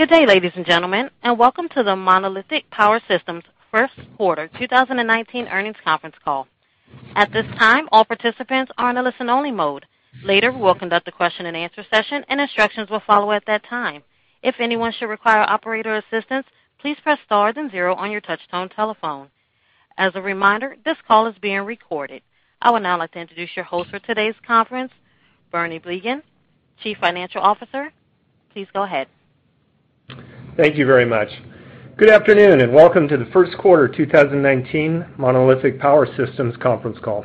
Good day, ladies and gentlemen, welcome to the Monolithic Power Systems first quarter 2019 earnings conference call. At this time, all participants are in a listen only mode. Later, we'll conduct a question and answer session. Instructions will follow at that time. If anyone should require operator assistance, please press star then zero on your touchtone telephone. As a reminder, this call is being recorded. I would now like to introduce your host for today's conference, Bernie Blegen, Chief Financial Officer. Please go ahead. Thank you very much. Good afternoon, welcome to the first quarter 2019 Monolithic Power Systems conference call.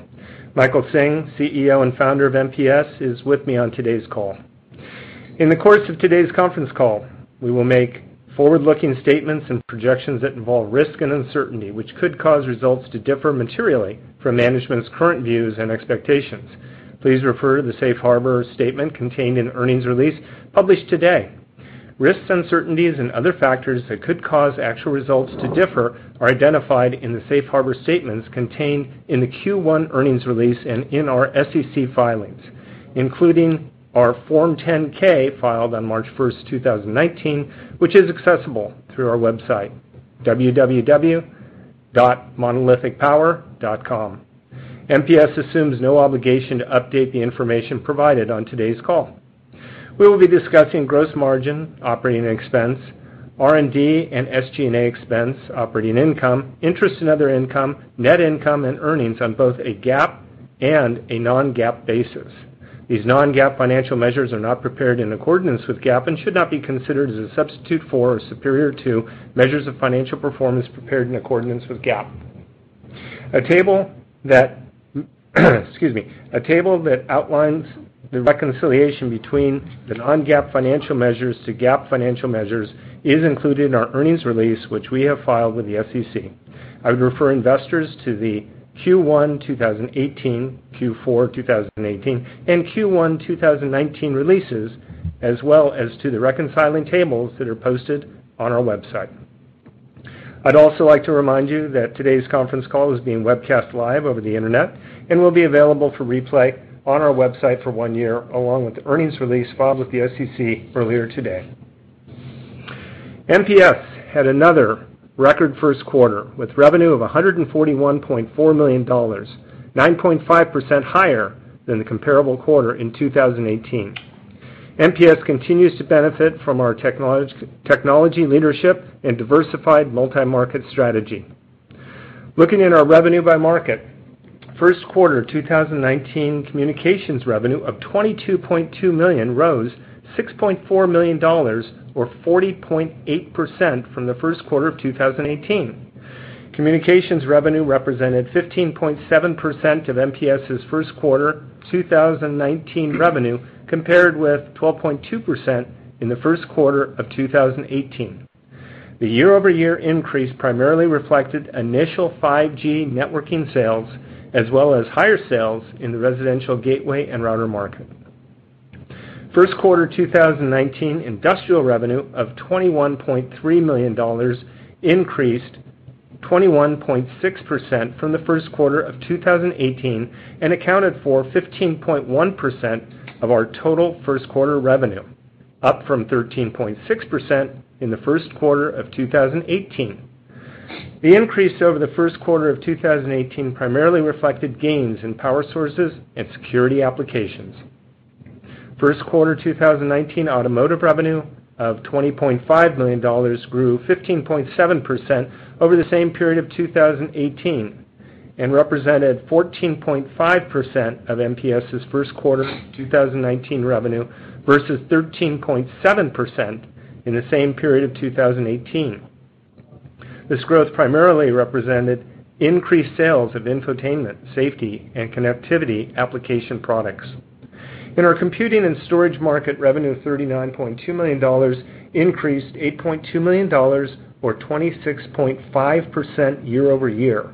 Michael Hsing, CEO and founder of MPS, is with me on today's call. In the course of today's conference call, we will make forward-looking statements and projections that involve risk and uncertainty, which could cause results to differ materially from management's current views and expectations. Please refer to the safe harbor statement contained in the earnings release published today. Risks, uncertainties, and other factors that could cause actual results to differ are identified in the safe harbor statements contained in the Q1 earnings release and in our SEC filings, including our Form 10-K filed on March 1st, 2019, which is accessible through our website, www.monolithicpower.com. MPS assumes no obligation to update the information provided on today's call. We will be discussing gross margin, operating expense, R&D, and SG&A expense, operating income, interest and other income, net income, and earnings on both a GAAP and a non-GAAP basis. These non-GAAP financial measures are not prepared in accordance with GAAP and should not be considered as a substitute for or superior to measures of financial performance prepared in accordance with GAAP. A table that outlines the reconciliation between the non-GAAP financial measures to GAAP financial measures is included in our earnings release, which we have filed with the SEC. I would refer investors to the Q1 2018, Q4 2018, and Q1 2019 releases, as well as to the reconciling tables that are posted on our website. I'd also like to remind you that today's conference call is being webcast live over the internet and will be available for replay on our website for one year, along with the earnings release filed with the SEC earlier today. MPS had another record first quarter, with revenue of $141.4 million, 9.5% higher than the comparable quarter in 2018. MPS continues to benefit from our technology leadership and diversified multi-market strategy. Looking at our revenue by market, first quarter 2019 communications revenue of $22.2 million rose $6.4 million or 40.8% from the first quarter of 2018. Communications revenue represented 15.7% of MPS's first quarter 2019 revenue, compared with 12.2% in the first quarter of 2018. The year-over-year increase primarily reflected initial 5G networking sales, as well as higher sales in the residential gateway and router market. First quarter 2019 industrial revenue of $21.3 million increased 21.6% from the first quarter of 2018 and accounted for 15.1% of our total first quarter revenue, up from 13.6% in the first quarter of 2018. The increase over the first quarter of 2018 primarily reflected gains in power sources and security applications. First quarter 2019 automotive revenue of $20.5 million grew 15.7% over the same period of 2018 and represented 14.5% of MPS's first quarter 2019 revenue versus 13.7% in the same period of 2018. This growth primarily represented increased sales of infotainment, safety, and connectivity application products. In our computing and storage market, revenue of $39.2 million increased $8.2 million, or 26.5%, year-over-year.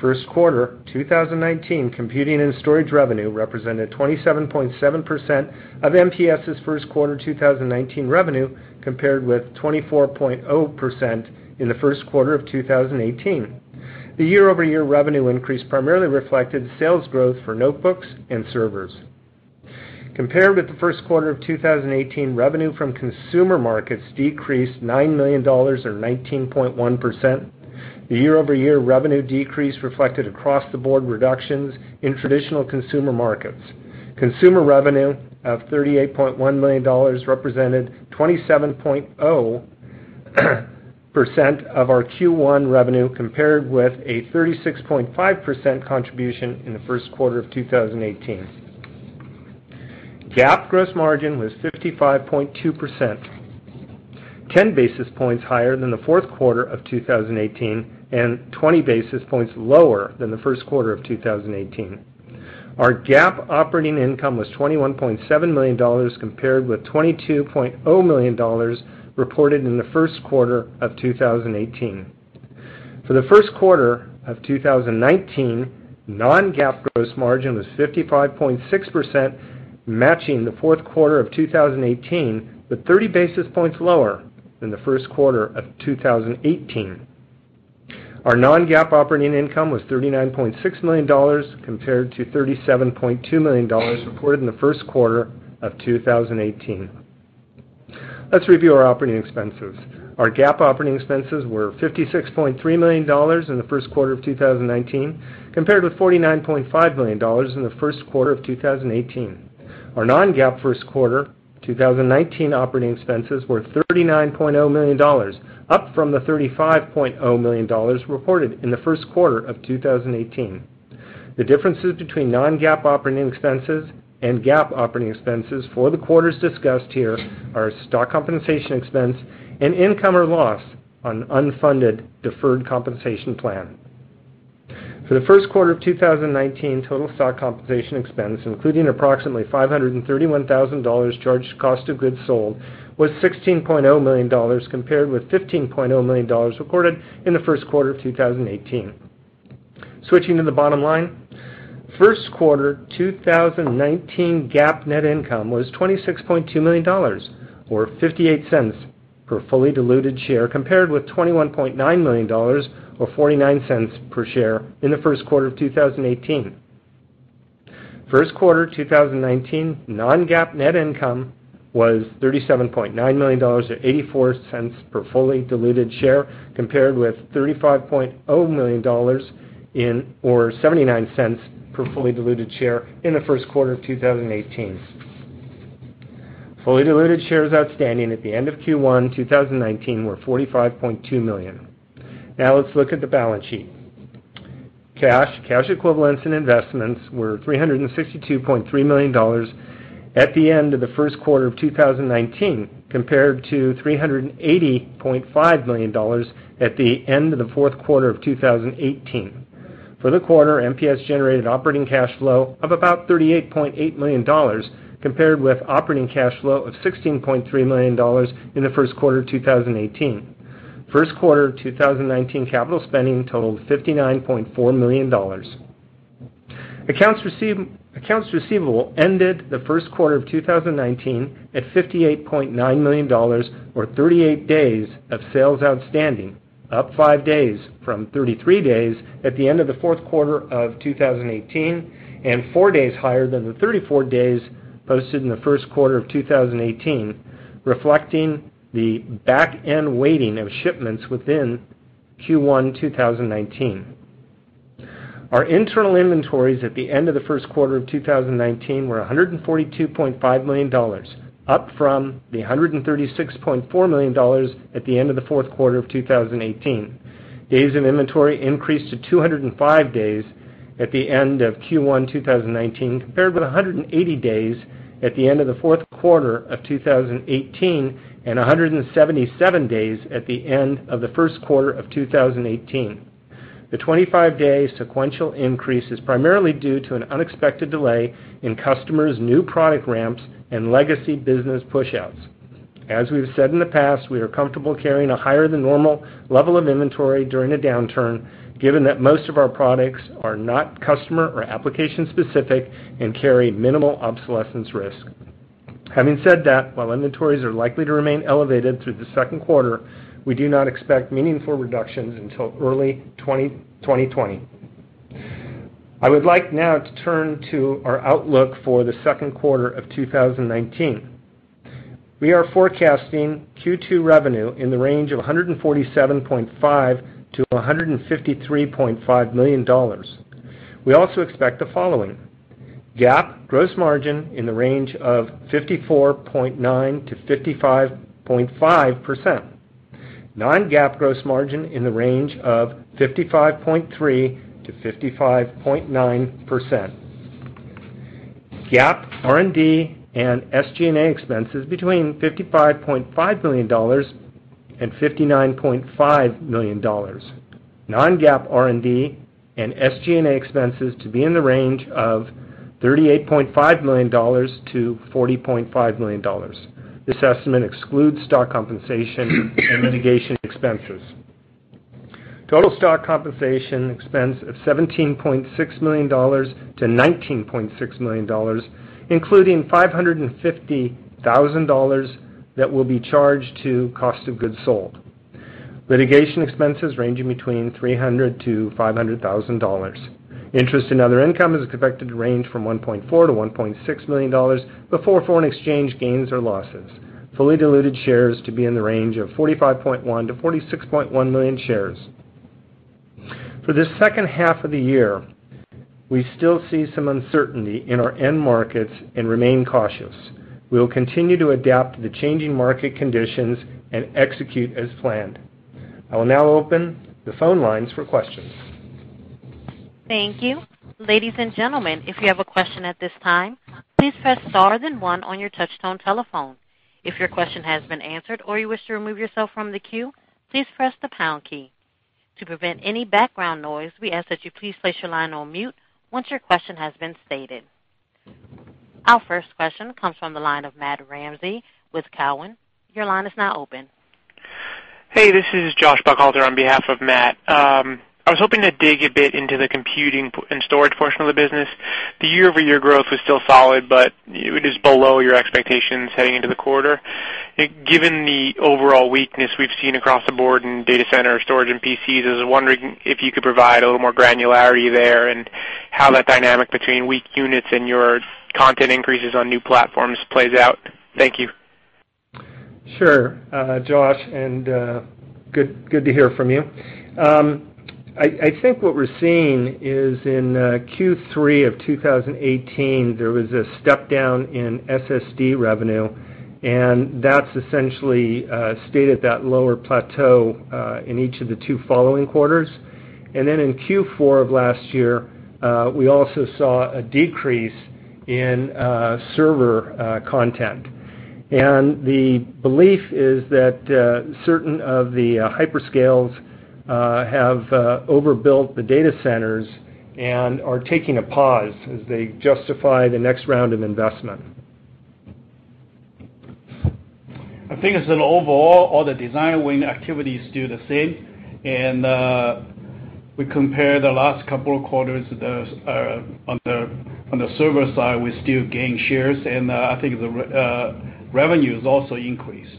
First quarter 2019 computing and storage revenue represented 27.7% of MPS's first quarter 2019 revenue, compared with 24.0% in the first quarter of 2018. The year-over-year revenue increase primarily reflected sales growth for notebooks and servers. Compared with the first quarter of 2018, revenue from consumer markets decreased $9 million or 19.1%. The year-over-year revenue decrease reflected across-the-board reductions in traditional consumer markets. Consumer revenue of $38.1 million represented 27.0% of our Q1 revenue, compared with a 36.5% contribution in the first quarter of 2018. GAAP gross margin was 55.2%, 10 basis points higher than the fourth quarter of 2018 and 20 basis points lower than the first quarter of 2018. Our GAAP operating income was $21.7 million, compared with $22.0 million reported in the first quarter of 2018. For the first quarter of 2019, non-GAAP gross margin was 55.6%, matching the fourth quarter of 2018, 30 basis points lower than the first quarter of 2018. Our non-GAAP operating income was $39.6 million compared to $37.2 million reported in the first quarter of 2018. Let's review our operating expenses. Our GAAP operating expenses were $56.3 million in the first quarter of 2019, compared with $49.5 million in the first quarter of 2018. Our non-GAAP first quarter 2019 operating expenses were $39.0 million, up from the $35.0 million reported in the first quarter of 2018. The differences between non-GAAP operating expenses and GAAP operating expenses for the quarters discussed here are stock compensation expense and income or loss on unfunded deferred compensation plan. For the first quarter of 2019, total stock compensation expense, including approximately $531,000 charged to cost of goods sold, was $16.0 million, compared with $15.0 million recorded in the first quarter of 2018. Switching to the bottom line, first quarter 2019 GAAP net income was $26.2 million, or $0.58 per fully diluted share, compared with $21.9 million or $0.49 per share in the first quarter of 2018. First quarter 2019 non-GAAP net income was $37.9 million, or $0.84 per fully diluted share, compared with $35.0 million, or $0.79 per fully diluted share in the first quarter of 2018. Fully diluted shares outstanding at the end of Q1 2019 were 45.2 million. Let's look at the balance sheet. Cash, cash equivalents, and investments were $362.3 million at the end of the first quarter of 2019, compared to $380.5 million at the end of the fourth quarter of 2018. For the quarter, MPS generated operating cash flow of about $38.8 million, compared with operating cash flow of $16.3 million in the first quarter of 2018. First quarter 2019 capital spending totaled $59.4 million. Accounts receivable ended the first quarter of 2019 at $58.9 million, or 38 days of sales outstanding, up five days from 33 days at the end of the fourth quarter of 2018, and four days higher than the 34 days posted in the first quarter of 2018, reflecting the back end weighting of shipments within Q1 2019. Our internal inventories at the end of the first quarter of 2019 were $142.5 million, up from the $136.4 million at the end of the fourth quarter of 2018. Days of inventory increased to 205 days at the end of Q1 2019, compared with 180 days at the end of the fourth quarter of 2018, and 177 days at the end of the first quarter of 2018. The 25-day sequential increase is primarily due to an unexpected delay in customers' new product ramps and legacy business pushouts. As we've said in the past, we are comfortable carrying a higher than normal level of inventory during a downturn, given that most of our products are not customer or application specific and carry minimal obsolescence risk. Having said that, while inventories are likely to remain elevated through the second quarter, we do not expect meaningful reductions until early 2020. I would like now to turn to our outlook for the second quarter of 2019. We are forecasting Q2 revenue in the range of $147.5 million-$153.5 million. We also expect the following: GAAP gross margin in the range of 54.9%-55.5%. Non-GAAP gross margin in the range of 55.3%-55.9%. GAAP R&D and SG&A expenses between $55.5 million and $59.5 million. Non-GAAP R&D and SG&A expenses to be in the range of $38.5 million-$40.5 million. This estimate excludes stock compensation and litigation expenses. Total stock compensation expense of $17.6 million-$19.6 million, including $550,000 that will be charged to cost of goods sold. Litigation expenses ranging $300,000-$500,000. Interest and other income is expected to range from $1.4 million-$1.6 million, before foreign exchange gains or losses. Fully diluted shares to be in the range of 45.1 million-46.1 million shares. For the second half of the year, we still see some uncertainty in our end markets and remain cautious. We will continue to adapt to the changing market conditions and execute as planned. I will now open the phone lines for questions. Thank you. Ladies and gentlemen, if you have a question at this time, please press star then one on your touch-tone telephone. If your question has been answered or you wish to remove yourself from the queue, please press the pound key. To prevent any background noise, we ask that you please place your line on mute once your question has been stated. Our first question comes from the line of Matthew Ramsay with Cowen. Your line is now open. Hey, this is Joshua Buchalter on behalf of Matt. I was hoping to dig a bit into the computing and storage portion of the business. The year-over-year growth was still solid, but it is below your expectations heading into the quarter. Given the overall weakness we've seen across the board in data center, storage, and PCs, I was wondering if you could provide a little more granularity there and How that dynamic between weak units and your content increases on new platforms plays out. Thank you. Sure, Josh, and good to hear from you. I think what we're seeing is in Q3 of 2018, there was a step-down in SSD revenue, and that's essentially stayed at that lower plateau in each of the two following quarters. Then in Q4 of last year, we also saw a decrease in server content. The belief is that certain of the hyperscales have overbuilt the data centers and are taking a pause as they justify the next round of investment. I think it's that overall, all the design win activities do the same. We compare the last couple of quarters, on the server side, we still gain shares, and I think the revenue is also increased.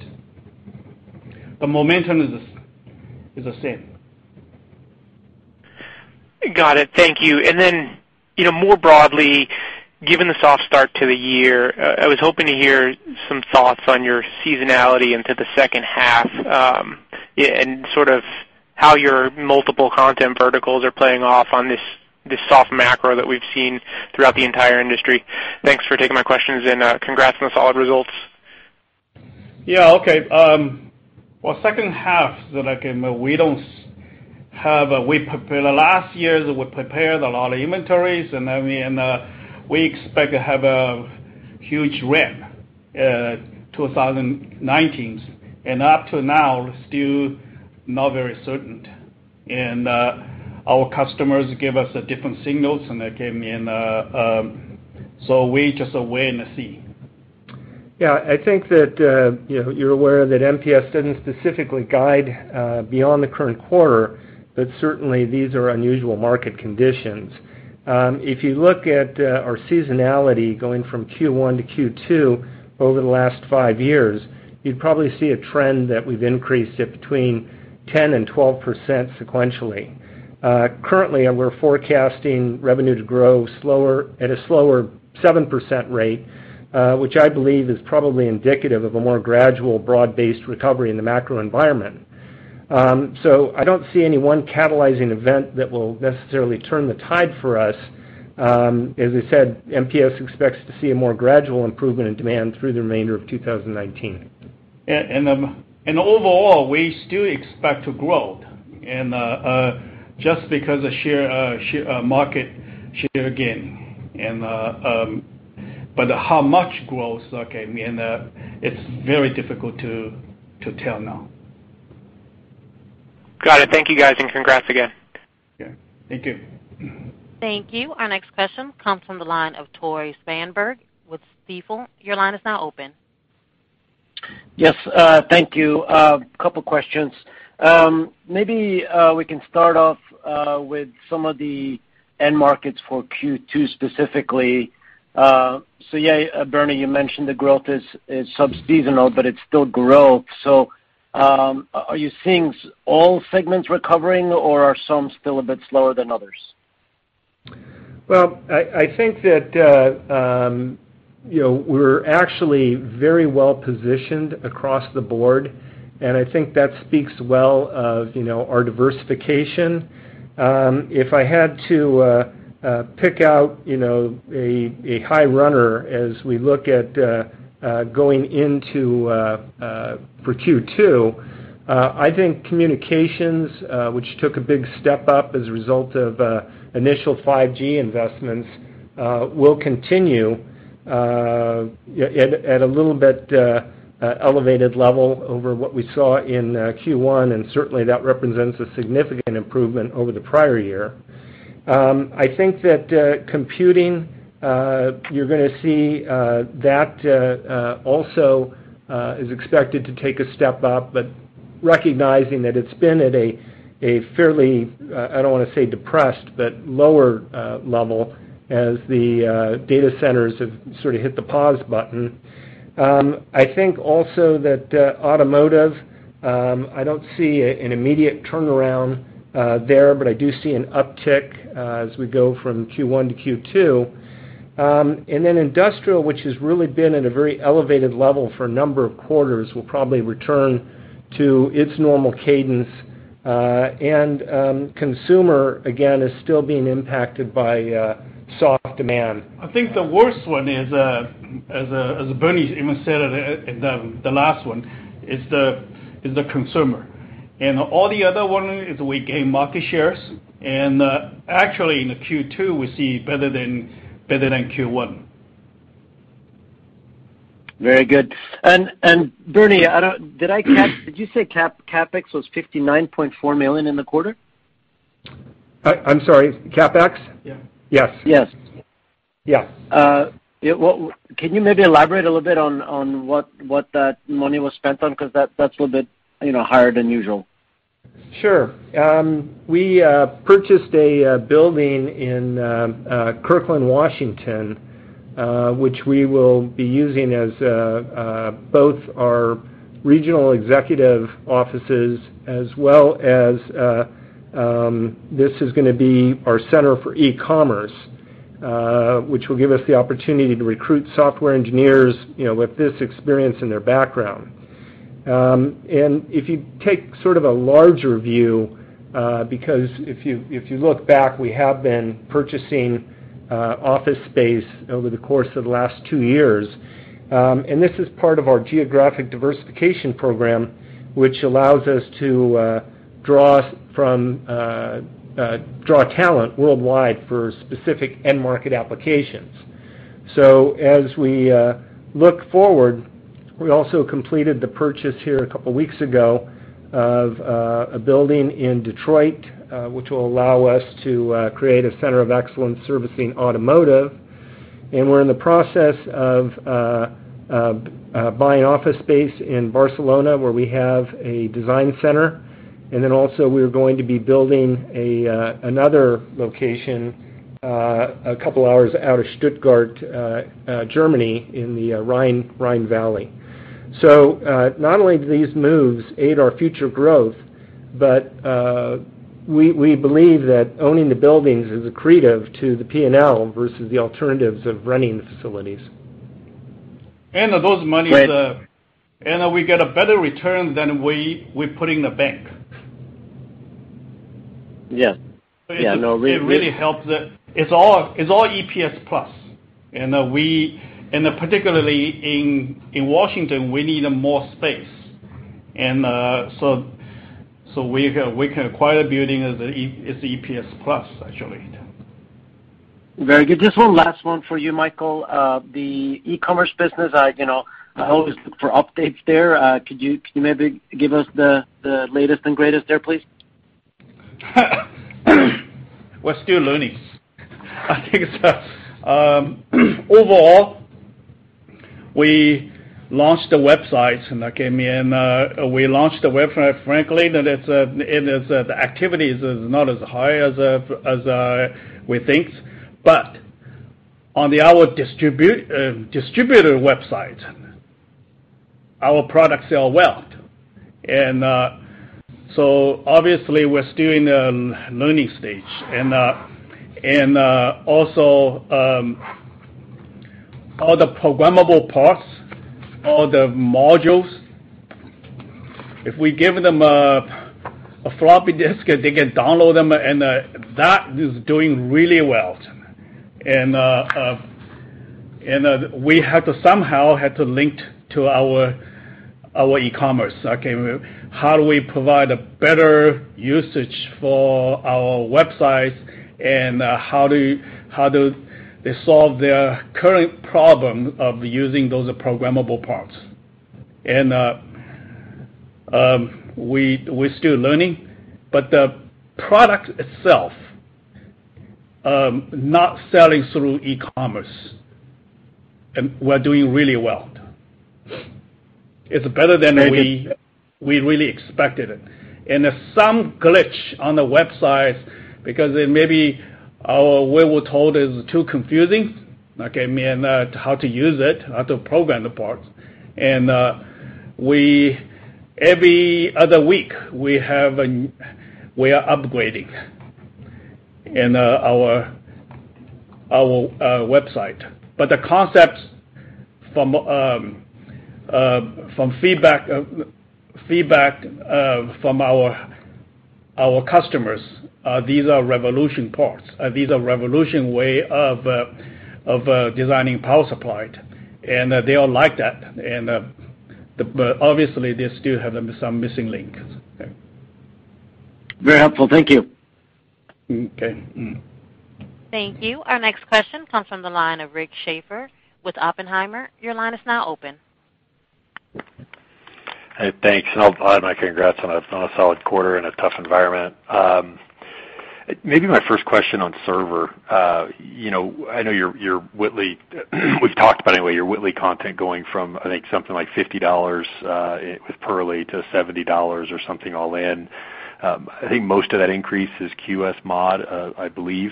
The momentum is the same. Got it. Thank you. Then more broadly, given the soft start to the year, I was hoping to hear some thoughts on your seasonality into the second half, and sort of how your multiple content verticals are playing off on this soft macro that we've seen throughout the entire industry. Thanks for taking my questions, and congrats on the solid results. Well, second half, we prepared a lot of inventories, and we expect to have a huge ramp, 2019. Up to now, still not very certain. Our customers give us different signals, and they came in, we just wait and see. I think that you're aware that MPS doesn't specifically guide beyond the current quarter, but certainly these are unusual market conditions. If you look at our seasonality going from Q1 to Q2 over the last five years, you'd probably see a trend that we've increased it between 10%-12% sequentially. Currently, we're forecasting revenue to grow at a slower 7% rate, which I believe is probably indicative of a more gradual, broad-based recovery in the macro environment. I don't see any one catalyzing event that will necessarily turn the tide for us. As I said, MPS expects to see a more gradual improvement in demand through the remainder of 2019. Overall, we still expect to grow. Just because of market share gain. How much growth, it's very difficult to tell now. Got it. Thank you guys, congrats again. Yeah. Thank you. Thank you. Our next question comes from the line of Tore Svanberg with Stifel. Your line is now open. Yes. Thank you. Couple questions. Maybe we can start off with some of the end markets for Q2 specifically. Yeah, Bernie, you mentioned the growth is sub-seasonal, but it's still growth. Are you seeing all segments recovering, or are some still a bit slower than others? Well, I think that we're actually very well-positioned across the board, and I think that speaks well of our diversification. If I had to pick out a high runner as we look at going into for Q2, I think communications, which took a big step up as a result of initial 5G investments, will continue at a little bit elevated level over what we saw in Q1, and certainly that represents a significant improvement over the prior year. I think that computing, you're going to see that also is expected to take a step up, but recognizing that it's been at a fairly, I don't want to say depressed, but lower level as the data centers have sort of hit the pause button. I think also that automotive, I don't see an immediate turnaround there, but I do see an uptick as we go from Q1 to Q2. Industrial, which has really been at a very elevated level for a number of quarters, will probably return to its normal cadence. Consumer, again, is still being impacted by soft demand. I think the worst one is, as Bernie even said it, the last one, is the consumer. All the other one is we gain market shares, and actually in the Q2, we see better than Q1. Very good. Bernie, did you say CapEx was $59.4 million in the quarter? I'm sorry, CapEx? Yes. Yes. Yeah. Can you maybe elaborate a little bit on what that money was spent on? That's a little bit higher than usual. Sure. We purchased a building in Kirkland, Washington, which we will be using as both our regional executive offices as well as this is going to be our center for e-commerce, which will give us the opportunity to recruit software engineers with this experience in their background. If you take sort of a larger view, because if you look back, we have been purchasing office space over the course of the last two years, this is part of our geographic diversification program, which allows us to draw talent worldwide for specific end market applications. As we look forward, we also completed the purchase here a couple of weeks ago of a building in Detroit, which will allow us to create a center of excellence servicing automotive. We're in the process of buying office space in Barcelona, where we have a design center. Also we're going to be building another location a couple hours out of Stuttgart, Germany, in the Rhine Valley. Not only do these moves aid our future growth, but we believe that owning the buildings is accretive to the P&L versus the alternatives of running the facilities. Those monies. Right We get a better return than we put in the bank. Yes. It really helps. It's all EPS plus. Particularly in Washington, we need more space. We can acquire the building as a EPS plus, actually. Very good. Just one last one for you, Michael. The e-commerce business, I always look for updates there. Could you maybe give us the latest and greatest there, please? We're still learning. I think so. Overall, we launched a website, and we launched a website, frankly, and the activity is not as high as we think. On our distributor website, our products sell well. Obviously we're still in the learning stage. Also, all the programmable parts, all the modules, if we give them a floppy disk, they can download them, and that is doing really well. We have to somehow have to link to our e-commerce. Okay. How do we provide a better usage for our website and how do they solve their current problem of using those programmable parts? We're still learning, but the product itself, not selling through e-commerce, we're doing really well. It's better than we really expected it. Some glitch on the website, because it may be our way we're told is too confusing, okay, and how to use it, how to program the parts. Every other week, we are upgrading our website. The concepts from feedback from our customers, these are revolution parts. These are revolution way of designing power supply, and they all like that. Obviously, they still have some missing links. Okay. Very helpful. Thank you. Okay. Thank you. Our next question comes from the line of Rick Schafer with Oppenheimer. Your line is now open. Hey, thanks. I'll add my congrats on a solid quarter in a tough environment. Maybe my first question on server. I know we've talked about, anyway, your Whitley content going from, I think, something like $50 with Purley to $70 or something all in. I think most of that increase is QSMod, I believe.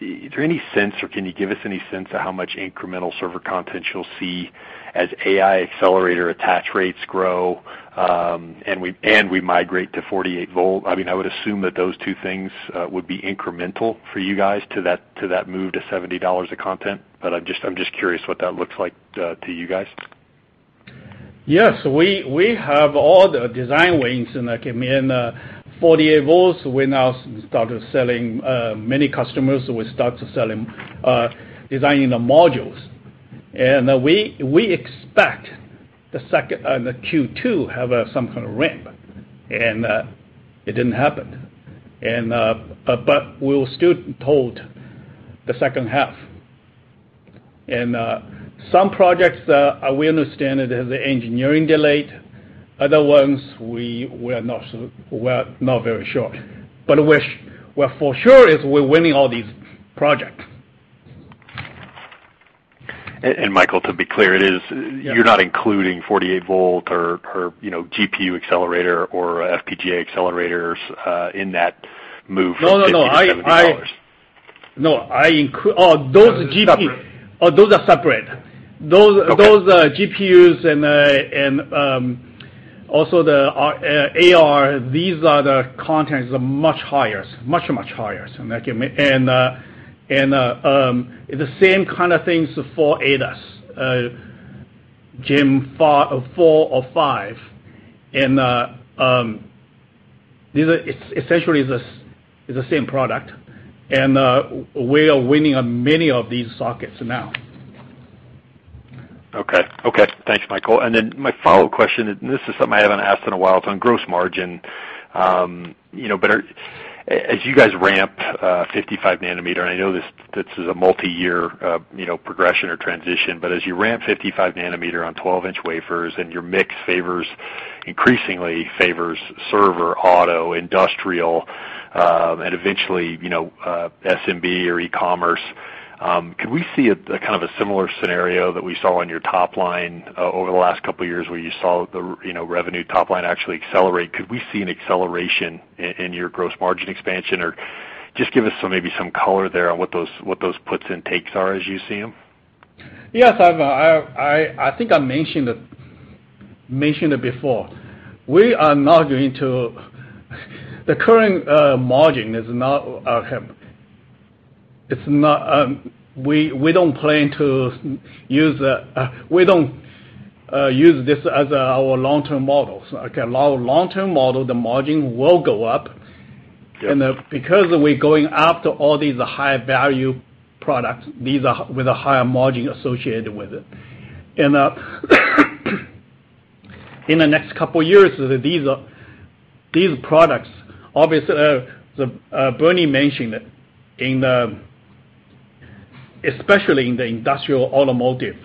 Is there any sense or can you give us any sense of how much incremental server content you'll see as AI accelerator attach rates grow, and we migrate to 48-volt? I would assume that those two things would be incremental for you guys to that move to $70 a content. I'm just curious what that looks like to you guys. Yes, we have all the design wins, and I came in 48-volt. We now started selling many customers. We start to selling, designing the modules. We expect the Q2 have some kind of ramp, and it didn't happen. We were still told the second half. Some projects, we understand it has a engineering delay. Other ones, we're not very sure. What for sure is we're winning all these projects. Michael, to be clear, you're not including 48-volt or GPU accelerator or FPGA accelerators in that move from $50 to $70? No. Those are separate. Separate. Those are GPUs and also the AR, these are the contents are much higher. Much, much higher. The same kind of things for ADAS. Jim, four or five. Essentially is the same product, and we are winning on many of these sockets now. Okay. Thanks, Michael. Then my follow-up question, and this is something I haven't asked in a while. It's on gross margin. As you guys ramp 55-nanometer, and I know this is a multi-year progression or transition, but as you ramp 55-nanometer on 12-inch wafers and your mix increasingly favors server, auto, industrial, and eventually, SMB or e-commerce, could we see a kind of a similar scenario that we saw on your top line over the last couple of years where you saw the revenue top line actually accelerate? Could we see an acceleration in your gross margin expansion? Just give us maybe some color there on what those puts and takes are as you see them. Yes. I think I mentioned it before. The current margin, we don't use this as our long-term model. Okay. Long-term model, the margin will go up. Yeah. Because we're going after all these high-value products with a higher margin associated with it. In the next couple of years, these products, obviously, Bernie mentioned, especially in the industrial automotive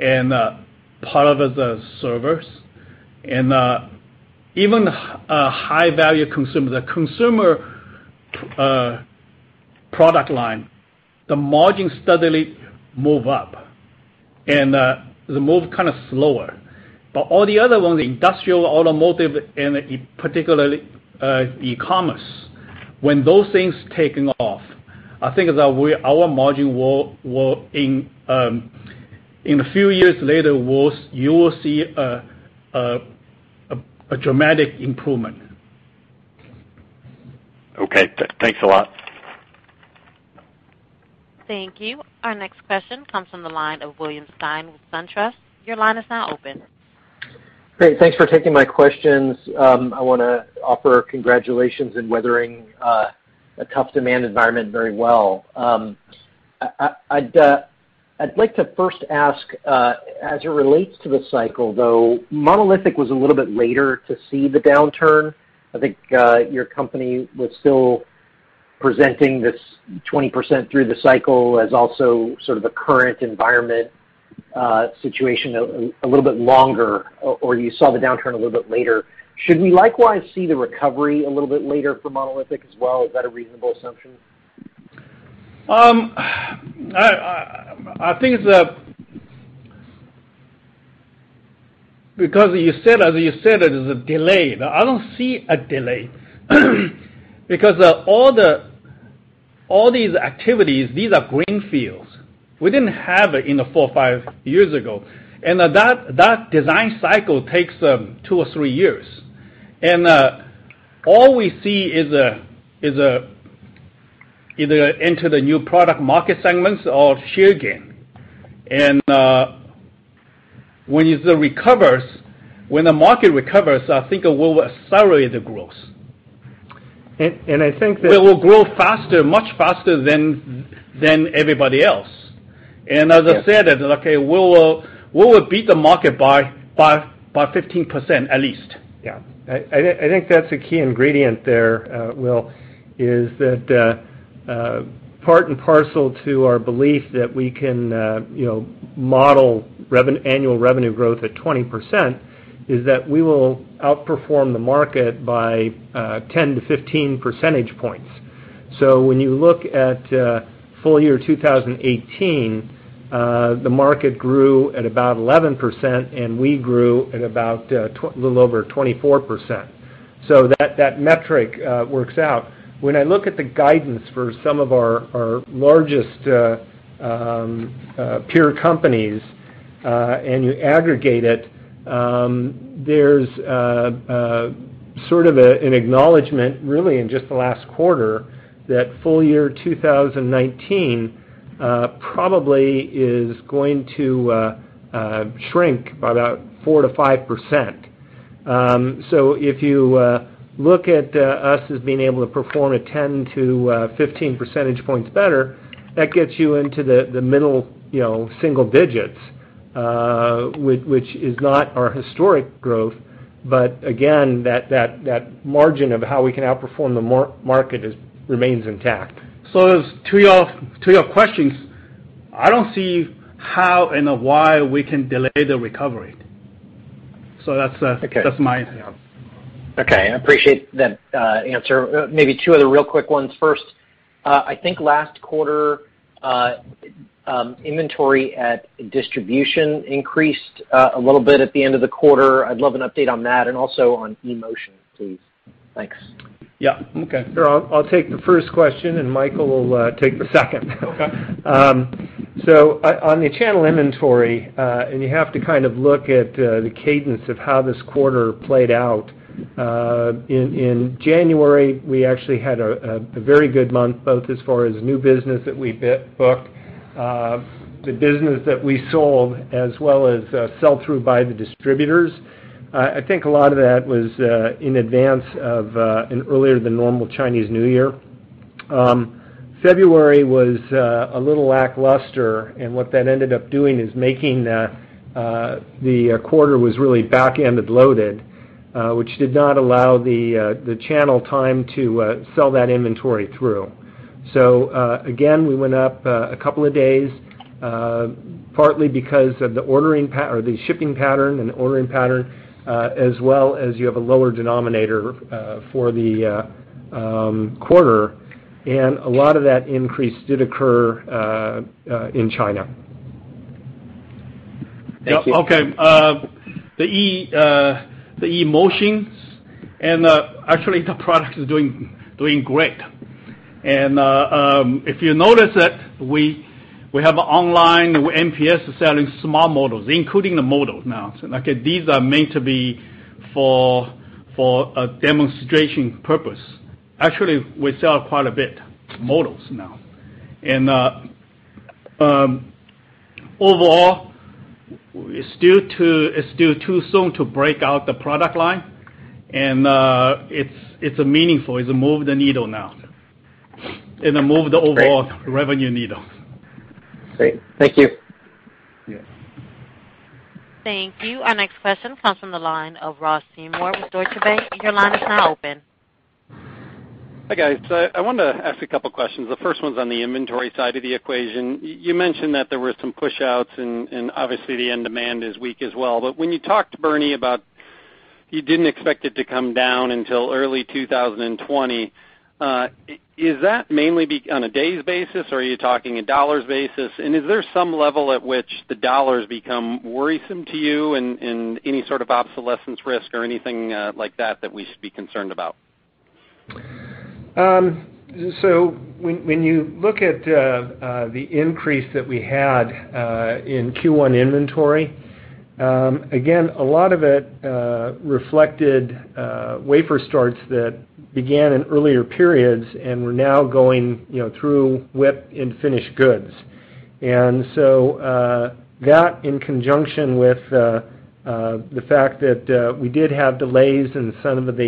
and part of the servers, and even a high-value consumer, the consumer product line, the margin steadily move up, and the move kind of slower. All the other ones, the industrial, automotive, and particularly, e-commerce, when those things taking off, I think that our margin, in a few years later, you will see a dramatic improvement. Okay. Thanks a lot. Thank you. Our next question comes from the line of William Stein with SunTrust. Your line is now open. Great. Thanks for taking my questions. I want to offer congratulations in weathering a tough demand environment very well. I'd like to first ask, as it relates to the cycle, though, Monolithic was a little bit later to see the downturn. I think your company was still presenting this 20% through the cycle as also sort of the current environment situation a little bit longer, or you saw the downturn a little bit later. Should we likewise see the recovery a little bit later for Monolithic as well? Is that a reasonable assumption? As you said, it is a delay. I don't see a delay, because all these activities, these are greenfields. We didn't have it four or five years ago, and that design cycle takes two or three years. All we see is either into the new product market segments or share gain. When the market recovers, I think it will accelerate the growth. I think. It will grow faster, much faster than everybody else. As I said. Yes. That, okay, we will beat the market by 15% at least. Yeah. I think that's a key ingredient there, Will, is that part and parcel to our belief that we can model annual revenue growth at 20%, is that we will outperform the market by 10-15 percentage points. When you look at full year 2018, the market grew at about 11%, and we grew at about a little over 24%. That metric works out. When I look at the guidance for some of our largest peer companies, and you aggregate it, there's sort of an acknowledgment, really in just the last quarter, that full year 2019 probably is going to shrink by about 4%-5%. If you look at us as being able to perform at 10 to 15 percentage points better, that gets you into the middle single digits, which is not our historic growth, but again, that margin of how we can outperform the market remains intact. To your questions, I don't see how and why we can delay the recovery. That's my answer. Okay. I appreciate that answer. Maybe two other real quick ones. First, I think last quarter, inventory at distribution increased a little bit at the end of the quarter. I'd love an update on that and also on eMotion, please. Thanks. Yeah. Okay. Sure. I'll take the first question, Michael will take the second. Okay. On the channel inventory, you have to kind of look at the cadence of how this quarter played out. In January, we actually had a very good month, both as far as new business that we booked, the business that we sold, as well as sell through by the distributors. I think a lot of that was in advance of an earlier than normal Chinese New Year. February was a little lackluster, what that ended up doing is making the quarter was really back-ended loaded, which did not allow the channel time to sell that inventory through. Again, we went up a couple of days, partly because of the shipping pattern and the ordering pattern, as well as you have a lower denominator for the quarter. A lot of that increase did occur in China. Thank you. Okay. The eMotion actually the product is doing great. If you notice that we have online MPS selling small models, including the models now. Again, these are meant to be for a demonstration purpose. Actually, we sell quite a bit models now. Overall, it's still too soon to break out the product line, it's meaningful. It's moved the needle now, and moved the overall revenue needle. Great. Thank you. Yeah. Thank you. Our next question comes from the line of Ross Seymore with Deutsche Bank. Your line is now open. Hi, guys. I wanted to ask a couple questions. The first one's on the inventory side of the equation. You mentioned that there were some push outs and obviously the end demand is weak as well, but when you talked, Bernie, about you didn't expect it to come down until early 2020, is that mainly be on a days basis, or are you talking a $ basis? And is there some level at which the $ become worrisome to you in any sort of obsolescence risk or anything like that we should be concerned about? When you look at the increase that we had in Q1 inventory, again, a lot of it reflected wafer starts that began in earlier periods and were now going through WIP in finished goods. That in conjunction with the fact that we did have delays in some of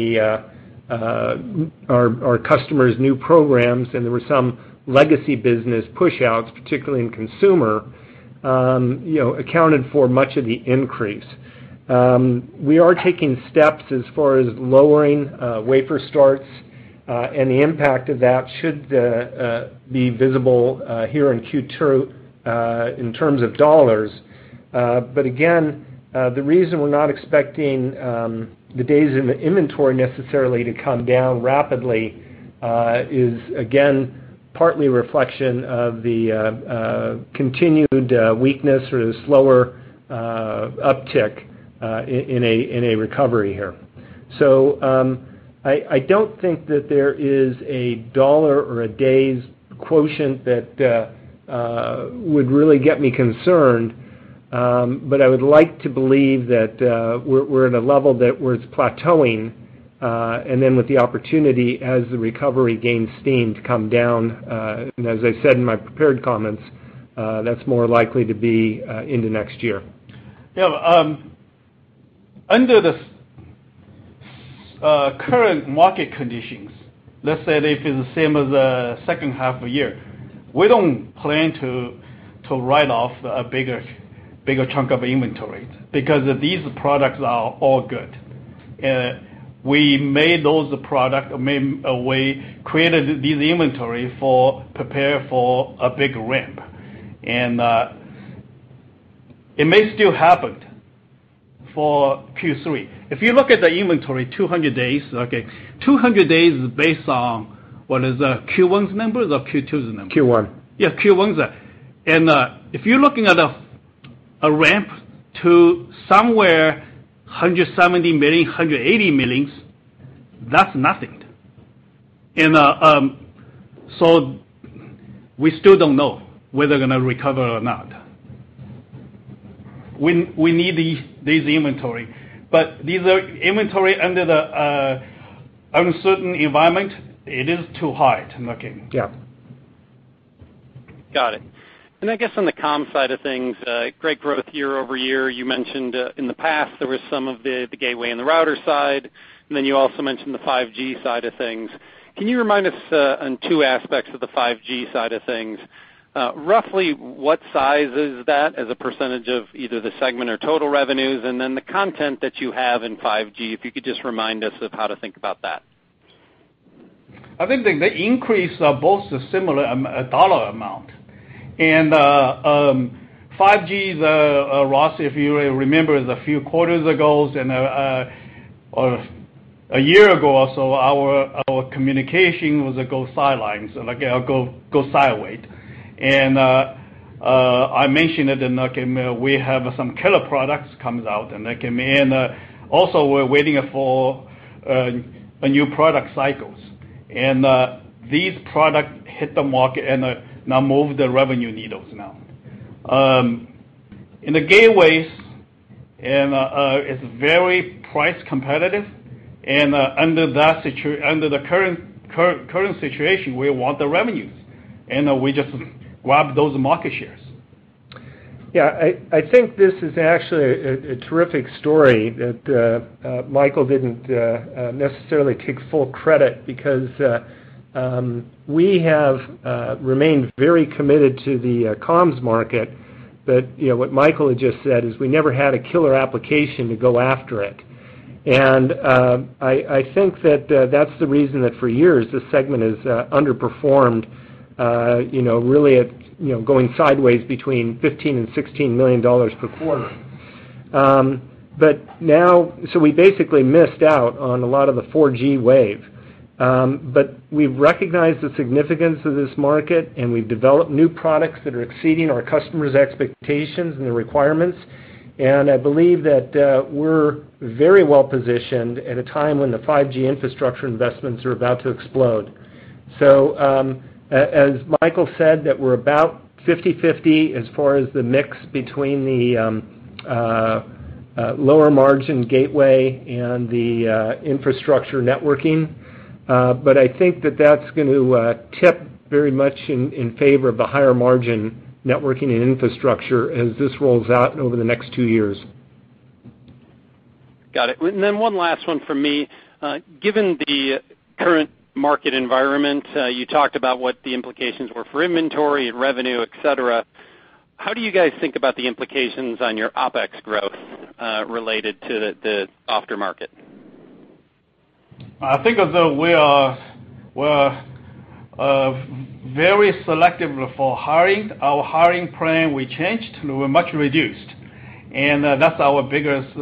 our customers' new programs, and there were some legacy business push outs, particularly in consumer, accounted for much of the increase. We are taking steps as far as lowering wafer starts, and the impact of that should be visible here in Q2 in terms of $. Again, the reason we're not expecting the days in the inventory necessarily to come down rapidly is again, partly reflection of the continued weakness or the slower uptick in a recovery here. I don't think that there is a $ or a days quotient that would really get me concerned. I would like to believe that we're at a level that where it's plateauing, and then with the opportunity as the recovery gains steam to come down, and as I said in my prepared comments, that's more likely to be into next year. Under the current market conditions, let's say they feel the same as the second half of the year, we don't plan to write off a bigger chunk of inventory because these products are all good. We made those products, we created this inventory for prepare for a big ramp, and it may still happen for Q3. If you look at the inventory, 200 days. Okay, 200 days is based on what is Q1's number or Q2's number? Q1. Q1's. If you're looking at a ramp to somewhere $170 million, $180 million, that's nothing. We still don't know whether they're going to recover or not. We need this inventory, but these are inventory under the uncertain environment, it is too high. Yeah. Got it. I guess on the comms side of things, great growth year-over-year. You mentioned in the past there was some of the gateway and the router side, and then you also mentioned the 5G side of things. Can you remind us on two aspects of the 5G side of things? Roughly what size is that as a percentage of either the segment or total revenues, and then the content that you have in 5G, if you could just remind us of how to think about that. I think they increase both similar dollar amount. 5G, Ross, if you remember, the few quarters ago, a year ago or so, our communication was go sideways. I mentioned that we have some killer products coming out, and also, we're waiting for new product cycles. These products hit the market and now move the revenue needles now. In the gateways, it's very price competitive, and under the current situation, we want the revenues, and we just grab those market shares. Yeah. I think this is actually a terrific story that Michael didn't necessarily take full credit because, we have remained very committed to the comms market. What Michael had just said is we never had a killer application to go after it. I think that's the reason that for years, this segment has underperformed, really going sideways between $15 million and $16 million per quarter. We basically missed out on a lot of the 4G wave. We've recognized the significance of this market, and we've developed new products that are exceeding our customers' expectations and their requirements. I believe that we're very well-positioned at a time when the 5G infrastructure investments are about to explode. As Michael said, that we're about 50/50 as far as the mix between the lower margin gateway and the infrastructure networking. I think that that's going to tip very much in favor of the higher margin networking and infrastructure as this rolls out over the next two years. Got it. One last one from me. Given the current market environment, you talked about what the implications were for inventory and revenue, et cetera. How do you guys think about the implications on your OpEx growth, related to the after-market? I think that we are very selective for hiring. Our hiring plan, we changed. We're much reduced, and that's our biggest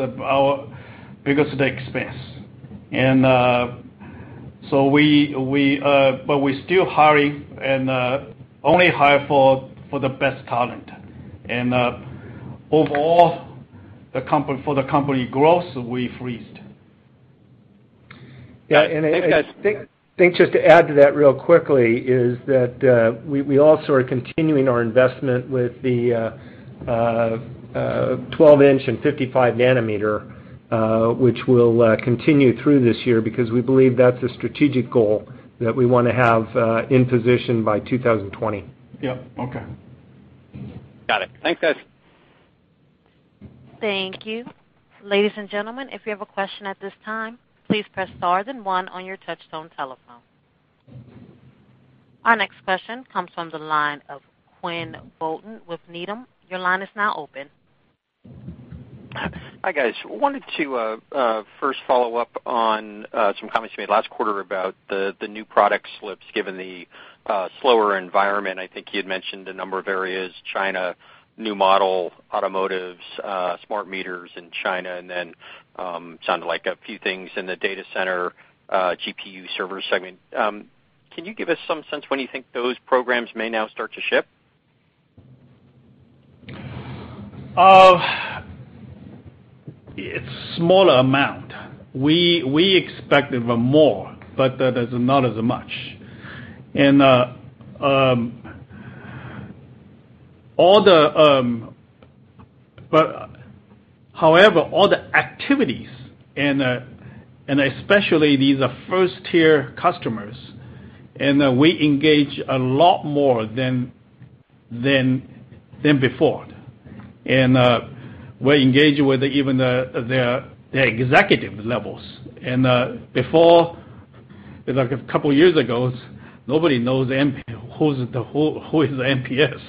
expense. We're still hiring and only hire for the best talent. Overall, for the company growth, we've freezed. Yeah. I think just to add to that real quickly, is that we also are continuing our investment with the 12-inch and 55-nanometer, which will continue through this year because we believe that's a strategic goal that we want to have in position by 2020. Yep. Okay. Got it. Thanks, guys. Thank you. Ladies and gentlemen, if you have a question at this time, please press star then one on your touch-tone telephone. Our next question comes from the line of Quinn Bolton with Needham. Your line is now open. Hi, guys. Wanted to first follow up on some comments you made last quarter about the new product slips given the slower environment. I think you had mentioned a number of areas, China, new model automotives, smart meters in China, then sounded like a few things in the data center, GPU server segment. Can you give us some sense when you think those programs may now start to ship? It's smaller amount. We expected more, but not as much. All the activities, especially these are first-tier customers, we engage a lot more than before. We engage with even their executive levels. Before, a couple of years ago, nobody knows who is MPS.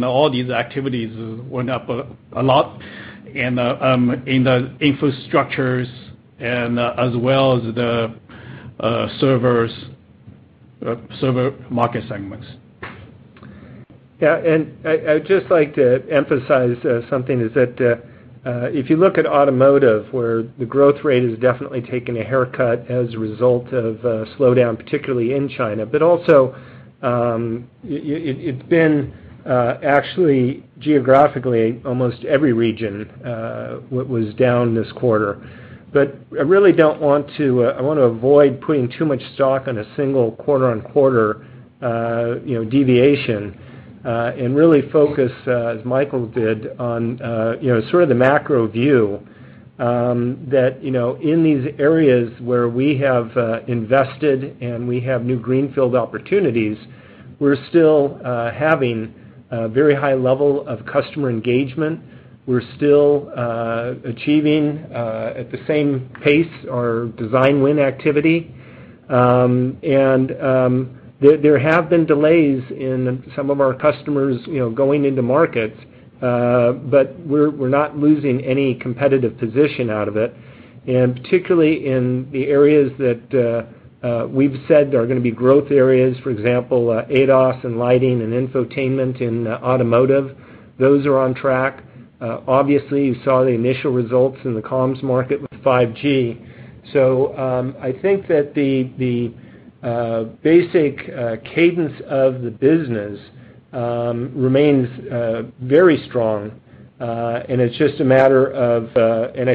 Now, all these activities went up a lot, in the infrastructures as well as the server market segments. Yeah. I'd just like to emphasize something, is that if you look at automotive, where the growth rate has definitely taken a haircut as a result of slowdown, particularly in China. Also, it's been actually geographically, almost every region, was down this quarter. I want to avoid putting too much stock on a single quarter-on-quarter deviation, really focus, as Michael did, on sort of the macro view, that in these areas where we have invested and we have new greenfield opportunities, we're still having a very high level of customer engagement. We're still achieving, at the same pace, our design win activity. And there have been delays in some of our customers going into markets, but we're not losing any competitive position out of it. Particularly in the areas that we've said are going to be growth areas, for example, ADAS and lighting and infotainment in automotive, those are on track. Obviously, you saw the initial results in the comms market with 5G. I think that the basic cadence of the business remains very strong. I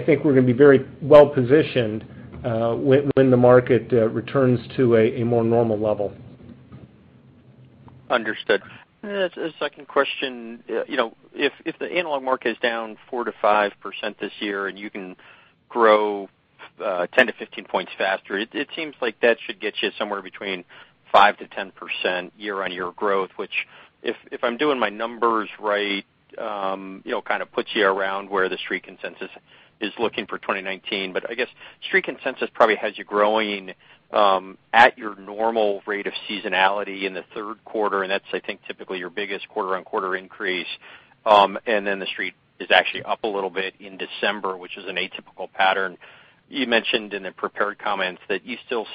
think we're going to be very well-positioned when the market returns to a more normal level. Understood. A second question. If the analog market is down 4%-5% this year, you can grow 10 to 15 points faster, it seems like that should get you somewhere between 5%-10% year-on-year growth, which, if I'm doing my numbers right, puts you around where the Street Consensus is looking for 2019. I guess Street Consensus probably has you growing at your normal rate of seasonality in the third quarter, that's, I think, typically your biggest quarter-on-quarter increase. The Street is actually up a little bit in December, which is an atypical pattern. You mentioned in the prepared comments that you still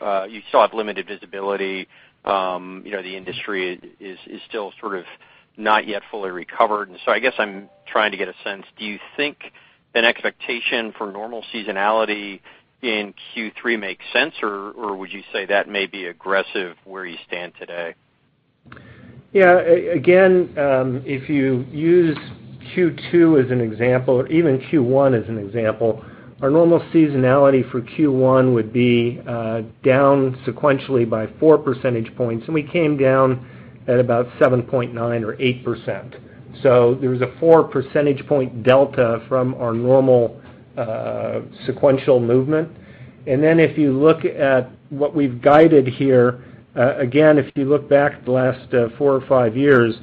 have limited visibility, the industry is still sort of not yet fully recovered. I guess I'm trying to get a sense. Do you think an expectation for normal seasonality in Q3 makes sense, or would you say that may be aggressive where you stand today? Again, if you use Q2 as an example, or even Q1 as an example, our normal seasonality for Q1 would be down sequentially by four percentage points, we came down at about 7.9% or 8%. There was a four percentage point delta from our normal sequential movement. If you look at what we've guided here, again, if you look back the last four or five years,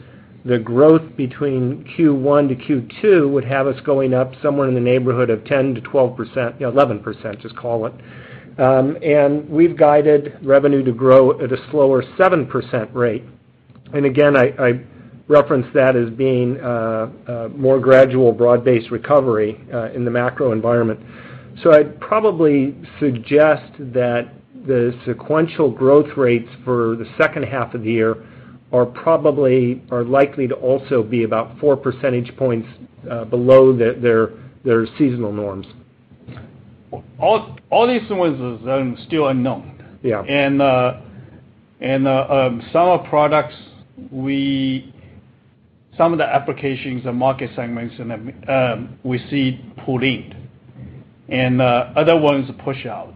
the growth between Q1 to Q2 would have us going up somewhere in the neighborhood of 10%-12%, yeah, 11%, just call it. We've guided revenue to grow at a slower 7% rate. Again, I reference that as being a more gradual broad-based recovery in the macro environment. I'd probably suggest that the sequential growth rates for the second half of the year are likely to also be about four percentage points below their seasonal norms. All these ones are still unknown. Yeah. Some of the applications and market segments we see pulling, other ones push out.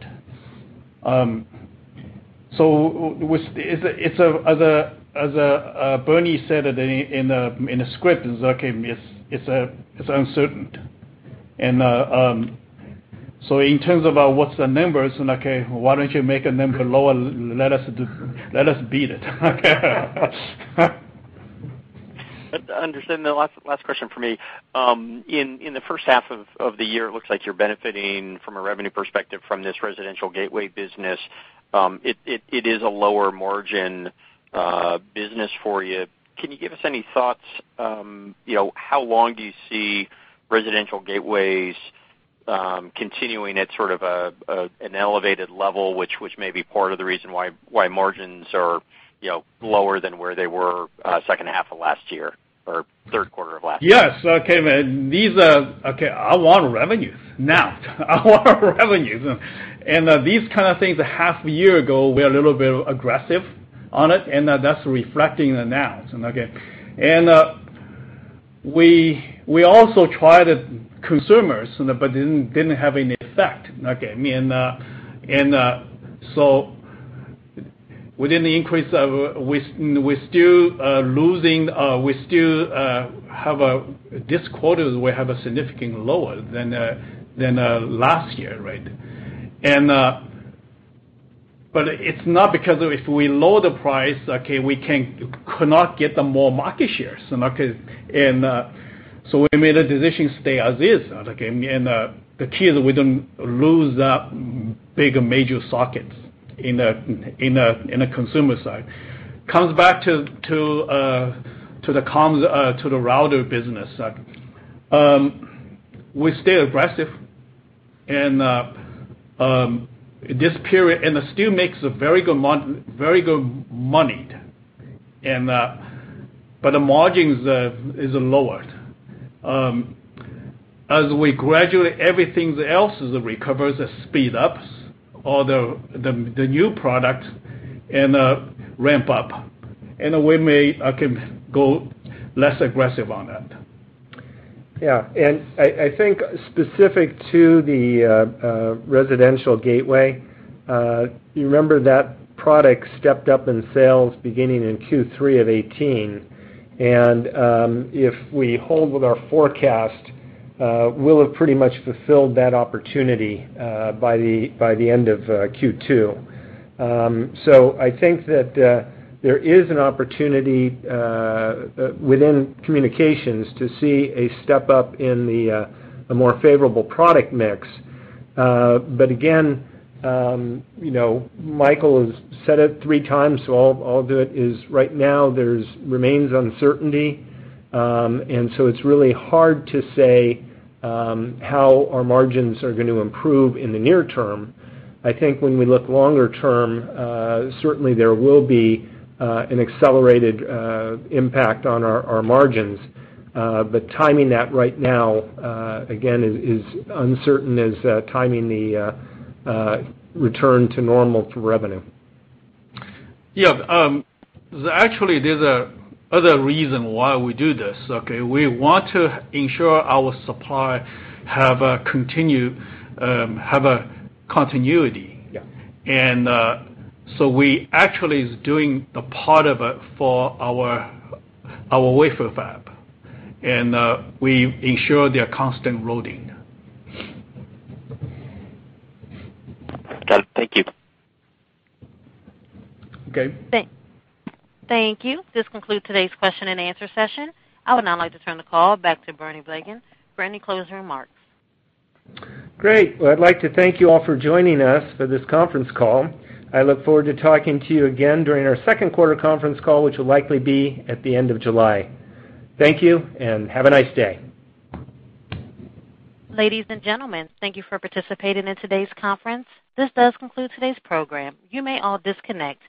As Bernie said in the script, it's uncertain. In terms of what's the numbers, okay, why don't you make a number lower? Let us beat it. Understood. The last question from me. In the first half of the year, it looks like you're benefiting from a revenue perspective from this residential gateway business. It is a lower margin business for you. Can you give us any thoughts? How long do you see residential gateways continuing at sort of an elevated level, which may be part of the reason why margins are lower than where they were second half of last year or third quarter of last year? Yes. Okay, I want revenues now. I want revenues. These kind of things, half a year ago, we are a little bit aggressive on it, and that's reflecting it now. We also tried consumers, but it didn't have any effect. Within the increase, this quarter, we have a significant lower than last year, right? It's not because if we lower the price, we cannot get the more market shares. We made a decision to stay as is. The key is we don't lose that big major sockets in the consumer side. Comes back to the router business. We stay aggressive in this period and still makes a very good money. The margins is lower. As we gradually, everything else recovers, speed ups, all the new product and ramp up, and we may go less aggressive on that. Yeah. I think specific to the residential gateway, you remember that product stepped up in sales beginning in Q3 of 2018. If we hold with our forecast, we'll have pretty much fulfilled that opportunity by the end of Q2. I think that there is an opportunity within communications to see a step-up in the more favorable product mix. Again, Michael has said it three times, I'll do it, is right now there remains uncertainty. It's really hard to say how our margins are going to improve in the near term. I think when we look longer term, certainly there will be an accelerated impact on our margins. Timing that right now, again, is uncertain as timing the return to normal for revenue. Yeah. Actually, there's a other reason why we do this, okay? We want to ensure our supply have a continuity. Yeah. We actually is doing a part of it for our wafer fab, we ensure their constant loading. Got it. Thank you. Okay. Thank you. This concludes today's question and answer session. I would now like to turn the call back to Bernie Blegen for any closing remarks. Great. Well, I'd like to thank you all for joining us for this conference call. I look forward to talking to you again during our second quarter conference call, which will likely be at the end of July. Thank you, and have a nice day. Ladies and gentlemen, thank you for participating in today's conference. This does conclude today's program. You may all disconnect.